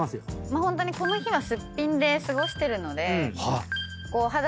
ホントにこの日はすっぴんで過ごしてるので。